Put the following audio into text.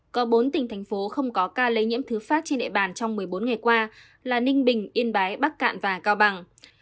có bốn tỉnh thành phố không có ca lây nhiễm thứ phát trên địa bàn trong một mươi bốn ngày qua là ninh bình yên bái bắc cạn và cao bằng